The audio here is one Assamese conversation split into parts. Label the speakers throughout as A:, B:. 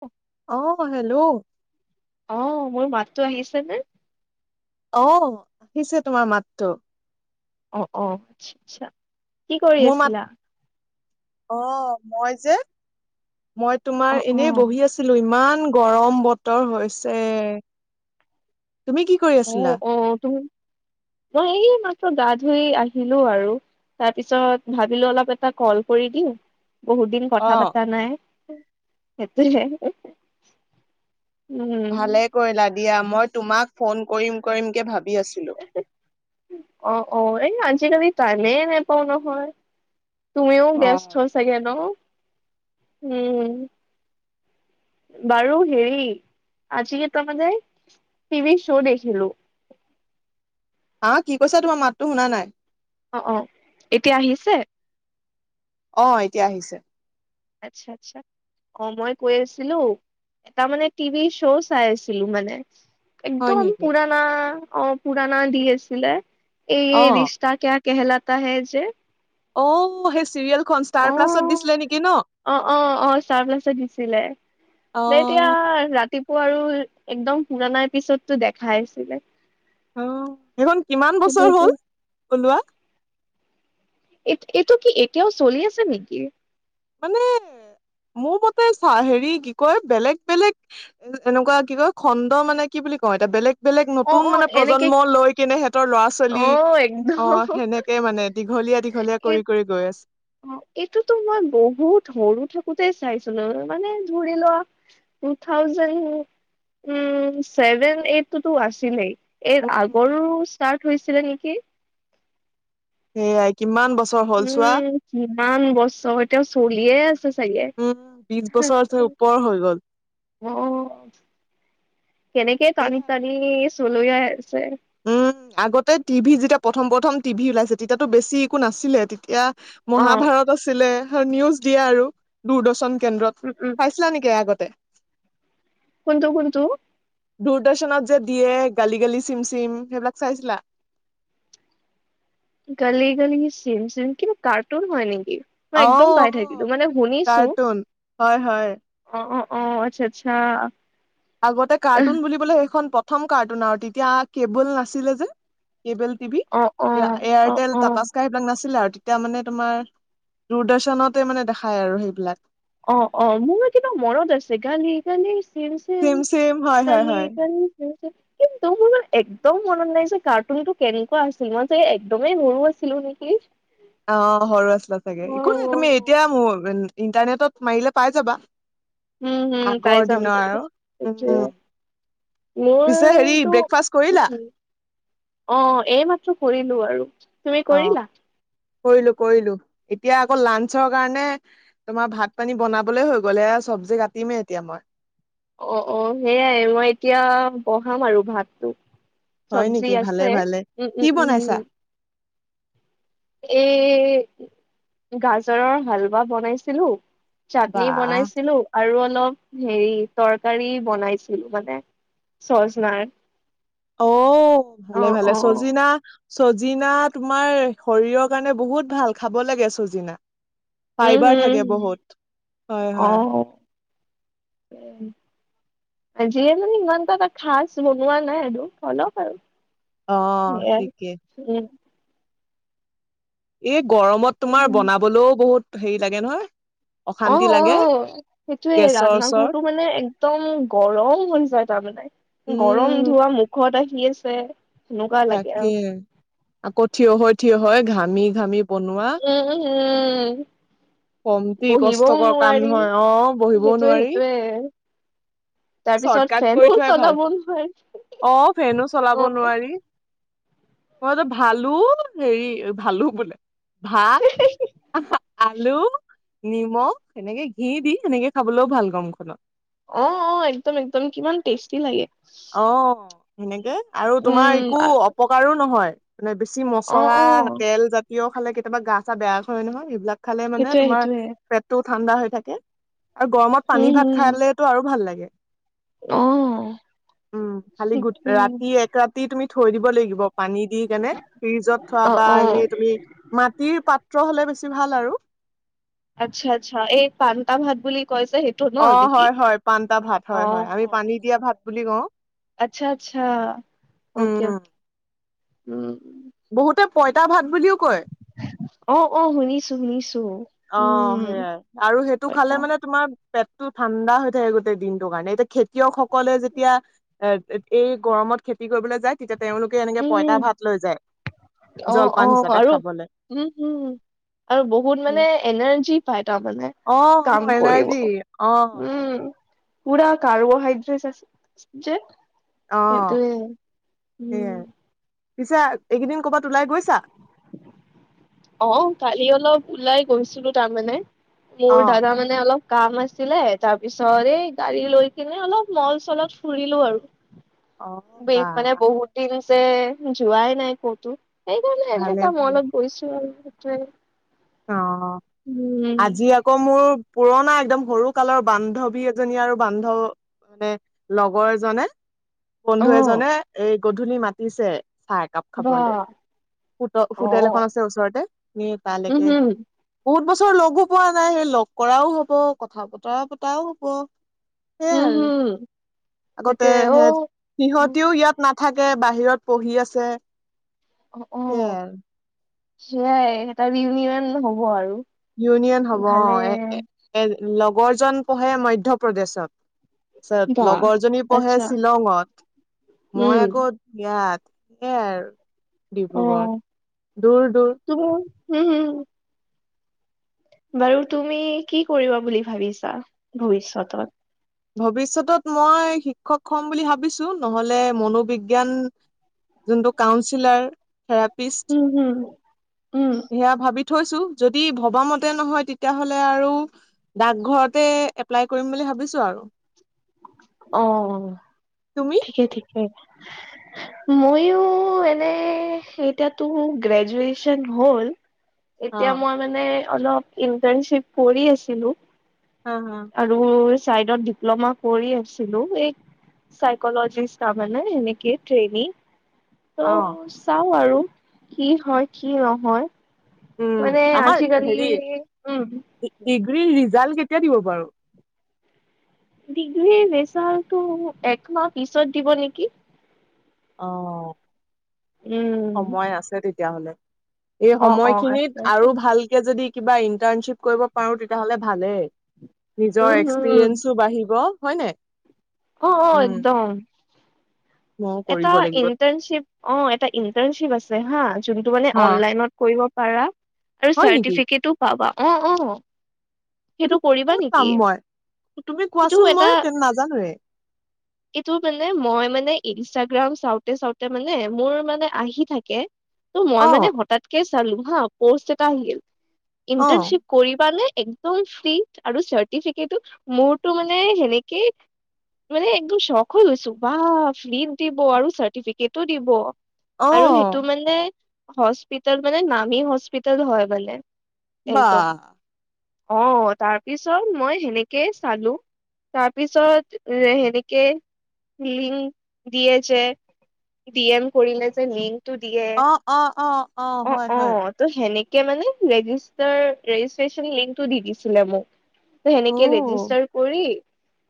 A: অ'
B: অ'হেল্ল'
A: অ' মোৰ মাততো আহিছেনে?
B: অ' আহিছে তোমাৰ মাততো।
A: অ'-অ' আচ্ছা-আচ্ছা কি কৰি
B: মোৰ মাত
A: আছিলা?
B: অ' মই যে মই তোমাৰ
A: অ',
B: এনেই বহি আছোঁ
A: অ',
B: বহি আছিলোঁ ইমান গৰম বতৰ হৈছে, তুমি কি কৰি আছিলা?
A: অ'-অ' তুমি মই এইমাত্ৰ গা ধুই আহিলোঁ আৰু তাৰপিছত ভাবিলোঁ অলপ এটা কল কৰি দিওঁ বহুত দিন
B: অ
A: কথা পতা নাই, সেইটোৱে
B: ভালে কৰিলা দিয়া মই তোমাক ফোন কৰিম-কৰিম কে ভাবি আছিলোঁ।
A: অ'-অ' এই আজিকালি টাইমেই নেপাওঁ নহয়। তুমিও
B: অ
A: ব্যস্ত চাগে ন', উম। বাৰু হেৰি আজি এটা মানে টিভি শ্ব' দেখিলোঁ।
B: বা কি কৈছা তোমাৰ মাতটো শুনা নাই।
A: অ'-অ' এতিয়া আহিছে?
B: অ' এতিয়া আহিছে।
A: আচ্ছা-আচ্ছা। অ' মই কৈ আছিলোঁ এটা মানে টিভি শ্ব' চাই আছিলোঁ মানে
B: হয়
A: একদম
B: নেকি
A: পুৰানা অ' পুৰণা দি আছিলে
B: অ
A: এই-এই ৰিছ ৰিষ্টা ক্যা কেহলাতা হ্যায় যে
B: অ' সেই চিৰিয়েলখন ষ্টাৰ প্লাছত দিছিলে নেকি ন।
A: অ'-অ'-অ' ষ্টাৰ প্লাছত দিছিলে,
B: অ
A: যেতিয়া ৰাতি ৰাতিপুৱা আৰু একদম পুৰণা এপিচডটো দেখাই আছিলে।
B: অ সেইখন কিমান বছৰ
A: সেইটোটো
B: হ'ল ওলোৱা?
A: এইট এইটো কি এতিয়াও চলি আছে নিকি?
B: মানে, মোৰ মতে চা হেৰী কি কয়? বেলেগ বেলেগ এ এনেকুৱা কিবা খণ্ড মানে কি বুলি কওঁ এতিয়া বেলেগ বেলেগ
A: অ
B: নতুন
A: অ
B: মানে
A: এনেকে
B: প্ৰজন্ম লৈ কিনে সিহঁতৰ ল'ৰা- ছোৱালী।
A: অ একদম
B: অ' সেনেকে মানে দীঘলীয়া-দীঘলীয়া কৰি-কৰি গৈ আছে।
A: অ এইটোতো মই বহুত সৰু থাকোতে চাইছিলো মানে ধৰি লোৱা। টু থাউজেণ্ড, উম ছেভেন এইটোতো আছিলেই। এইৰ
B: উম
A: আগৰো ষ্টাৰ্ট হৈছিলে নেকি
B: সেয়াই কিমান বছৰ হ'ল
A: উম
B: চোৱা
A: কিমান বছৰ এতিয়াও চলিয়ে আছে চাগে।
B: বিছ বছৰ ধৰি ওপৰ হৈ গ'ল।
A: অহ। কেনেকে টানি টানি চলিয়াই আছে।
B: উম, আগতে টিভি যেতিয়া প্ৰথম প্ৰথম টিভি ওলাইছে, তেতিয়াটো বেছি একো নাছিলে। তেতিয়া
A: অ
B: মহাভাৰত আছিলে আৰু নিউজ দিয়ে আৰু দূৰদৰ্শন কেন্দ্ৰত।
A: উম উম।
B: ছিলা নেকি আগতে?
A: কোনটো কোনটো?
B: দূৰদৰ্শনত যে দিয়ে, গালি গালি, চিম চিম, সেইবিলাক চাইছিলা?
A: গালি গালি, চিম চিম, কিন্তু কাৰ্টুন হয় নেকি? মই
B: অ অ
A: একদম পাহৰি থাকিলোঁ। মানে শুনিছোঁ।
B: কাৰ্টুন হয় হয়।
A: অ অ অ। আচ্ছা আচ্ছা।
B: আগতে কাৰ্টুন বুলিবলে সেইখন প্ৰথম কাৰ্টুন আৱ তেতিয়া কেবুল নাছিলে যে। কেবুল টিভি
A: অ অ
B: এয়া
A: অ
B: এয়াৰটেল,
A: অ
B: টাটা স্কাই। এইবিলাক নাছিলে আৰু। তেতিয়া মানে তোমাৰ দূৰদৰ্শনতে মানে দেখাই আৰু সেইবিলাক।
A: অ অ মোৰ কিন্তু মনত আছে। গালি গালি, চিম চিম,
B: হয় হয়
A: গালি
B: হয়
A: গালি। [unintelligible] কিন্তু মোৰ কিন্তু একদম মনত নাই যে কাৰ্টুনটো কেনেকুৱা আছিল। মই চাগে একদমেই সৰু আছিলোঁ নেকি
B: অ, সৰু আছিলা চাগে।
A: অ',
B: একো নাই তুমি এতিয়া মোৰ ইণ্টাৰনেটত মাৰিলে পাই যাবা।
A: উম উম পাই
B: আগৰ
A: যাম
B: দিনৰ
A: চাগে
B: আৰু
A: সেইটোৱে।
B: উম পিছে হেৰি
A: মোৰটো,
B: ব্ৰেকফাষ্ট কৰিলা?
A: উম। অ এই মাত্ৰ কৰিলোঁ আৰু। তুমি কৰিলা?
B: কৰিলোঁ কৰিলোঁ। এতিয়া আকৌ লাঞ্চৰ কাৰণে তোমাৰ ভাত পানী বনাবলৈ হৈ গ'ল। এয়া চব্জি কাটিমে এতিয়া মই।
A: অ অ সেয়াই মই এতিয়া বঢ়াম আৰু ভাতটো।
B: হয়
A: চব্জি
B: নেকি ভালে
A: আছে।
B: ভালে
A: উম, উম,
B: কি
A: উম, উম।
B: বনাইছা
A: এই গাজৰৰ হালবা বনাইছিলোঁ। চাটনি
B: বা
A: বনাইছিলোঁ আৰু অলপ হেৰী তৰকাৰী বনাইছিলোঁ। মানে চ'চ নাই।
B: অ, ভালে ভালে
A: অ
B: চজিনা চজিনা তোমাৰ শৰীৰৰ কাৰণে বহুত ভাল, খাব লাগে চজিনা।
A: উম
B: ফাইবাৰ
A: হম
B: থাকে বহুত। হয় হয়।
A: তাকে আজিয়ে মানে ইমান এটা তা খাচ বনোৱা নাই আৰু অলপ আৰু।
B: অ
A: এয়াই,
B: ঠিকে
A: উম।
B: এই গৰমত তোমাৰ বনাবলৈও বহুত হেৰী লাগে নহয়।
A: অহ
B: অশান্তি লাগে
A: অহ। সেইটোৱে
B: গেছৰ
A: ৰান্ধনা
B: ওচৰত
A: ঘৰটো মানে একদম গৰম হৈ যায় তাৰমানে। গৰম
B: উম
A: ধোৱা মুখত আহি আছে সেনেকুৱা লাগে আৰু
B: তাকে আকৌ থিয় হৈ থিয় হৈ ঘামি ঘামি বনোৱা
A: উম উ উম
B: কমটি
A: পঢ়িবও
B: কষ্টকৰ কাম
A: নোৱাৰি
B: নহয় অ বহিবও
A: সেইটোৱে
B: নোৱাৰি
A: সেইটোৱে
B: চৰ্ট কাট কৰি থোৱাই
A: চলাব
B: ভাল।
A: নোৱাৰি
B: অ' ফেনো
A: অ
B: চলাব নোৱাৰি। মই তো ভালু হেৰী ভালু বোলে ভাত। আহা আলু, নিমখ এনেকে ঘি দি সেনেকে খাবলৈও ভাল গৰমখনত।
A: অ অ একদম একদম কিমান টেষ্টি লাগে।
B: অ'! সেনেকে আৰু তোমাৰ
A: উম
B: একো অপকাৰো নহয়। মানে বেছি
A: অ
B: মছলা
A: অ
B: তেল জাতীয় খালে কেতিয়াবা গা চা বেয়া কৰে নহয় এইবিলাক- খালে মানে
A: সেইটোয়ে
B: তোমাৰ
A: সেইটোয়ে
B: পেটতো ঠাণ্ডা হৈ থাকে আৰু গৰমত
A: হম
B: পানী ভাত
A: হম
B: খালে তো' আৰু ভাল লাগে।
A: অ'!
B: উম খালি গো
A: সেইটোৱে
B: ৰাতি এক ৰাতি তুমি থৈ দিব লাগিব। পানী দি কেনে ফ্ৰিজত থোৱা
A: অ
B: বা
A: অ
B: এনেই তুমি মাটিৰ পাত্ৰ হলে বেছি ভাল আৰু
A: আচ্ছা আচ্ছা এই পানটা ভাত বুলি কয় যে সেই
B: অ হয় হয় পানটা ভাত হয় হয় আমি পানী দিয়া ভাত বুলি কও
A: আচ্ছা আচ্ছা অকে
B: উম
A: অকে উম
B: বহুতে পইতা ভাত বুলিও কয়
A: অ অ শুনিছো শুনিছো
B: অ
A: উম
B: সেইয়াই আৰু সেইটো
A: পইতা
B: খালে মানে তোমাৰ পেটতো ঠাণ্ডা হৈ থাকে গোটেই দিনটো কাৰণে এতিয়া খেতিয়কসকলে যেতিয়া এ এই গৰমত খেতি কৰিবলৈ যায় তেতিয়া তেওঁলো কে এনেকে
A: উম হম
B: পইতা ভাত লৈ যায়
A: অ অ
B: জলপান হিচাপে
A: আৰু
B: খাবলে
A: উম হম উম আৰু বহুত মানে এনাৰ্জি পাই তাৰমানে
B: অ
A: কাম
B: এনাৰ্জি
A: কৰিব
B: অ
A: উম পুৰা কাৰ্বহাইড্ৰেট আছে যে
B: অ
A: সেইটোৱে উম
B: সেইয়াই পিছে এইকেইদিন কৰ'বাত ওলাই গৈছা
A: অ কালি অলপ ওলাই গৈছিলো তাৰমানে মোৰ
B: অ
A: দাদা মানে মানে অলপ কাম আছিলে তাৰ পিছত এই গাড়ী লৈ কিনে অলপ মল চলত ফুৰিলো আৰু
B: অ বা
A: মানে বহুত দিন হৈছে যোৱাই নাই ক'তো সেইকাৰণে
B: ভালে
A: এনেকা
B: ভালে
A: মলত গৈছো আৰু সেইটোৱে
B: অ
A: উম
B: আজি আকৌ মোৰ পুৰণা একদম সৰু কালৰ বান্ধৱী এজনী আৰু বান্ধৱ মানে লগৰ এজনে
A: অ
B: বন্ধু এজনে এই গধূলি মাতিছে চাহ একাপ
A: বা
B: খাবলে হোট
A: অ
B: হোটেল এখন আছে ওচৰতে হেই তালেকে
A: উম হুম
B: বহুত বছৰ লগো পোৱা নাই সেই লগ কৰাও হব কথা বতৰা পতাও হব সেইয়াই
A: উম
B: আৰু
A: হুম
B: আগতে
A: সেইটোৱে অ
B: সে
A: অ
B: সিহঁতিও ইয়াত নাথাকে বাহিৰত পঢ়ি আছে
A: অ
B: সেয়াই
A: সেইয়াই এটা ইউনিয়ন হ'ব আৰু
B: ইউনিয়ন হ'ব অ
A: ভালে
B: এ এ এ লগৰ জন পঢ়ে মধ্য প্ৰদেশত তাছত
A: বাহ
B: লগৰ জনী পঢ়ে
A: আচ্ছা
B: শ্বিলঙত মই
A: উম
B: আকৌ ইয়াত সেয়াই আৰু
A: অ
B: ডিব্ৰুগড়ত দূৰ দূৰ
A: তুমি হম হম বাৰু তুমি কি কৰিবা বুলি ভাবিছা ভৱিষ্যতত
B: ভৱিষ্যতত মই শিক্ষক হম বুলি ভাবিছো নহলে মনোবিজ্ঞান যোনটো কাউঞ্চিলাৰ থেৰাপিষ্ট
A: উম হম উম।
B: সেয়া ভাবি থৈছো যদি ভবা মতে নহয় তেতিয়াহ'লে আৰু ডাকঘৰতে এপ্লাই কৰিম বুলি ভাবিছো আৰু।
A: অহ।
B: তুমি
A: ঠিকে ঠিকে ময়ো এনে এতিয়াতো গ্ৰেজুৱেচন হ'ল এতিয়া
B: অ',
A: মই মানে অলপ ইন্টাৰশিপ কৰি আছিলো।
B: হা হা
A: আৰু চাইডত ডিপ্ল'মা কৰি আছিলো এই চাইকলজিষ্ট ত মানে এনেকে ট্ৰেইনিং। ত
B: অ',
A: চাও আৰু কি হয় কি নহয়?
B: উম,
A: মানে
B: আমাৰ
A: আজিকালি
B: হেৰি
A: উম।
B: ডিগ্ৰীৰ ৰিজাল্ট কেতিয়া দিব বাৰু
A: ডিগ্ৰীৰ ৰেজাল্টটো একমাহ পিছত দিব নেকি?
B: অ
A: উম,
B: সময় আছে তেতিয়াহলে। এই
A: অ', অ',
B: সময়খিনিত
A: আচ্ছা আচ্ছা
B: আৰু ভালকে যদি কিবা ইণ্টাৰ্ণশ্বিপ কৰিব পাৰো তেতিয়াহলে ভালেই। নিজৰ
A: উম, হম,
B: এক্সপিৰিয়েঞ্চো বাঢ়িব হয়নে।
A: অঁ অঁ একদম।
B: ময়ো
A: এটা
B: কৰিব লাগিব।
A: ইণ্টাৰ্ণশ্বিপ অ এটা ইণ্টাৰ্ণশ্বিপ আছে হা যোনটো মানে
B: হা,
A: অনলাইনত কৰিব পাৰা আৰু
B: হয় নেকি?
A: চাৰ্টিফিকেটো পাবা অ অ।
B: এইটো
A: সেইটো কৰিবা
B: ক'ত পাম
A: নেকি?
B: মই? তুমি
A: সেইটো
B: কোৱাচোন
A: এটা
B: মই তে নাজানোৱে।
A: এইটো মানে মই মানে ইনষ্টাগ্ৰাম চাওঁতে চাওঁতে মানে মোৰ মানে আহি থাকে ত' মই মানে
B: অ',
A: তাতেকে চালোঁ হা পষ্ট এটা আহিল
B: অ',
A: ইণ্টাৰ্ণশ্বিপ। কৰিবা নে একদম ফ্ৰি আৰু চাৰ্টিফিকেট ও মোৰটো মানে সেনেকেই মানে একদম শখ হৈ গৈছো বা। ফ্ৰিত দিব আৰু চাৰ্টিফিকেটো দিব আৰু
B: অ',
A: সেইটো মানে হস্পিতাল মানে নামি হস্পিতাল হয় বলে
B: বা
A: একদম। অ তাৰপিছত মই সেনেকেই চালো। তাৰপিছত সেনেকে লিং দিয়ে যে ডি এম কৰিলে যে লিংটো দিয়ে।
B: অ, অ, অ, হয়, হয়।
A: সেনেকে মানে ৰেজিষ্টাৰ ৰেজিষ্টেছন লিংক দি দিছিলে মোক। ত
B: অ',
A: সেনেকে
B: উম,
A: ৰেজিষ্টাৰ কৰি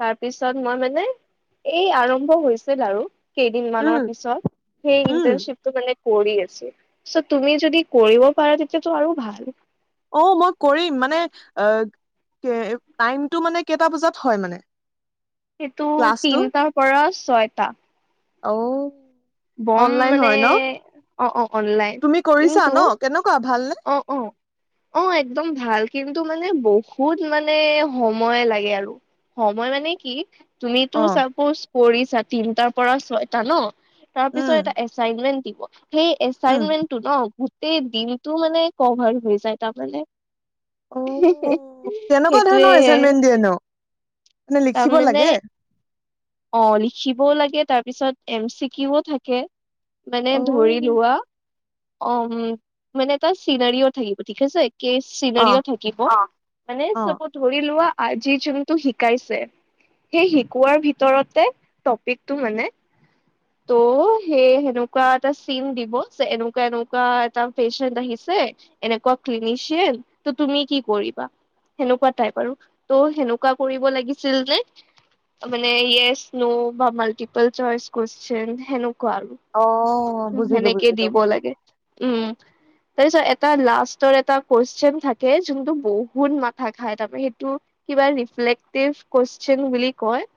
A: তাৰ পিছত মই মানে এই আৰম্ভ হৈছিল আৰু কেইদিন মানৰ পিছত সেই
B: উম।
A: ইণ্টাৰনশ্বিপটো মানে কৰি আছো। চ' তুমি যদি কৰিব পাৰা তেতিয়াটো আৰু ভাল।
B: অ মই কৰিম মানে আহ। টাইমটো মানে কেইটা বজাত হয় মানে?
A: সেইটো
B: ক্লাছটো
A: তিনটাৰ পৰা ছয়টা।
B: অঔ
A: বম মানে অ অ অনলাইন
B: তুমি কৰিছা
A: কিন্তু
B: ন কেনেকুৱা ভালনে
A: অ, অ, অ একদম ভাল কিন্তু মানে বহুত মানে সময় লাগে আৰু। সময় মানে কি তুমিতো
B: অ
A: চাপজ কৰিছা তিনটাৰ পৰা ছয়টা ন। তাৰ পিছত
B: উম
A: এটা এচাইমেন্ত দিব সেই
B: উম
A: এচাইমেন্ত ন গোটেই দিনটো মানে কভাৰ হৈ যায় তাৰমানে
B: অ
A: [unintelligible]
B: কেনেকুৱা ধৰণৰ
A: সেইটোৱেও
B: এচাইনমেন্ট দিয়ে নো মানে
A: তাৰ
B: লিখিব
A: মানে
B: লাগে
A: অ লিখিবও লাগে তাৰ পিছত এম চিকিও থাকে। মানে
B: অ
A: ধৰি লোৱা অম মানে তাত চিনাৰীও থাকিব ঠিক আছে।
B: অ
A: চিনাৰীও থাকিব মানে
B: অ
A: চব ধৰি লোৱা আজি যোনটো শিকাই সেই শিকোৱাৰ ভিতৰতে টপিকটো মানে ত, সেই সেনেকুৱা এটা চিন দিব যে এনেকুৱা এনেকুৱা এটা পেচেণ্ট আহিছে, এনেকুৱা ক্লিনিচিয়েল ত তুমি কি কৰিবা? সেনেকুৱা টাইপ আৰু ত' সেনেকুৱা কৰিব লাগিছিল যে। মানে ইয়েচ ন বা মাল্টিপল চইচ কুবেচন হেনেকুৱা আৰু
B: অ
A: উ
B: বুজিলো
A: সেনেকে
B: বুজিলো
A: দিব লাগে উম। তাৰপিছত এটা লাষ্টৰ এটা কুৱেশন থাকে যোনটো বহুত মাথা খাই তাৰপা সেইটো কিবালিফেটিভ কুৱেশন বুলি কয়।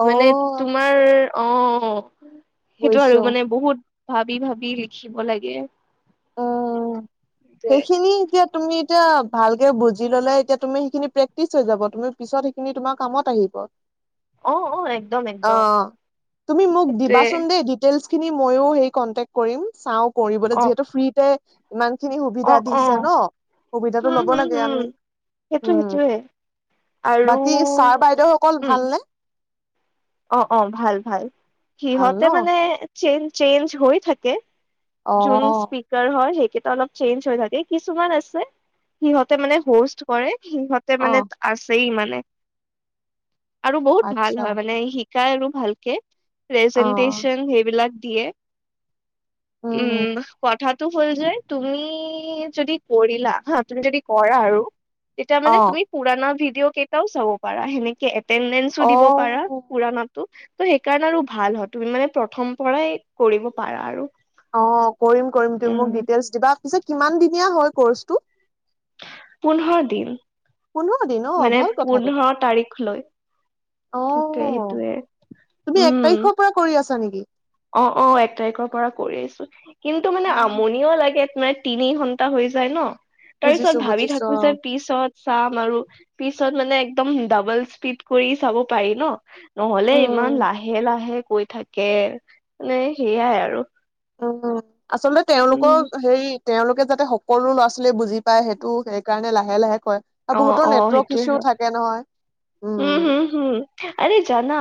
B: অ
A: মানে তোমাৰ অঁ, সেইটো
B: বুজিছো
A: আৰু মানে বহুত। ভাবি ভাবি লিখিব লাগে।
B: অঁ।
A: যে
B: সেইখিনি এতিয়া তুমি এতিয়া ভালকে বুজি ল'লে এতিয়া তুমি সেইখিনি প্ৰেক্টিচ হৈ যাব। তুমি পিছত, খিনি তোমাৰ কামত আহিব।
A: অ অ একদম
B: অ
A: একদম
B: তুমি মোক
A: সেইটোৱে
B: দিবাচোন দেই, দিটেলচ খিনি ময়ো হেৰী কনটেক্ট কৰিম চাওঁ কৰিবলে
A: অ
B: যিহেতু ফ্ৰীতে ইমান, খিনি
A: অ
B: সুবিধা
A: অ
B: দিছে ন। সুবিধাটো
A: হম
B: ল'ব
A: হম
B: লাগে
A: হম
B: আমি
A: সেইটো
B: উম,
A: সেইটোৱে আৰু
B: বাকী ছাৰ বাইদেউ সকল
A: উম
B: ভালনে?
A: অ অ ভাল ভাল।
B: ভাল
A: সিহঁতে
B: ন
A: মানে চে চেইঞ্জ হৈ থাকে।
B: অ
A: যোন স্পিক, কাৰ হয়, সেইকেইটা অলপ চেইঞ্জ হৈ থাকে। কিছুমান আছে সিহঁতে মানে হোষ্ট কৰে সিহঁত,
B: অ
A: মানে আছেই মানে আৰু বহুত ভাল
B: আচ্ছা
A: হয় মানে। শিকাই আৰু ভালকে
B: অ
A: প্ৰেজেন্টেছন সেইবিলাক দিয়ে। উম কথাটো হ'ল যে তুমি যদি কৰিলা হা তুমি যদি কৰা আৰু তেতিয়া
B: অ
A: মানে তুমি পুৰণা ভিডিঅ কেইটাও চাব পাৰা সেনেকে এতেনডেচো
B: অ
A: দিব পাৰা। পুৰণাটো ত' সেইকাৰণে আৰু ভাল হয়। তুমি মানে প্ৰথম পৰাই কৰিব পাৰা আৰু
B: অ কৰিম কৰিম তুমি মোক
A: উম
B: দিটেলচ দিবা। পিছে কিমান দিনীয়া হয় কৰ্চটো?
A: পোন্ধৰ দিন,
B: পোন্ধৰ দিন অ
A: মানে
B: ভাল কথা তেতিয়া
A: পোন্ধৰ তাৰিখ লৈ।
B: অ
A: সেইটোৱে সেইটোৱে
B: তুমি এক
A: উম।
B: তাৰিখৰ পৰা কৰি আছা নেকি
A: অ অ এক তাৰিখৰ পৰা কৰি আছোঁ। কিন্তু মানে
B: অ,
A: আমনিও লাগে নাই তিনি ঘন্টা হৈ যায় ন তাৰ পিছত
B: বুজিছো
A: ভাবি
B: বুজিছো
A: থাকো
B: অ
A: যে পিছত, চাম আৰু পিছত মানে একদম ডাবল স্পীড কৰি চাব পাৰি ন। নহ'লে
B: উম
A: ইমান লাহে লাহে কৈ থাকে মানে সেইয়াই আৰু
B: অ, আচলতে তেওঁলোক
A: উম
B: সেই, তেওঁলোকে যাতে সকলো ল'ৰা ছোৱালীয়ে বুজি পায় সেইটো সেইকাৰণে লাহে লাহে কয়। আৰু
A: অ
B: বহুতৰ
A: অ
B: নেটৱৰ্ক
A: সেইটোৱে
B: ইছ্যু
A: হয়।
B: থাকে নহয়
A: উম হোম হোম আৰে জানা।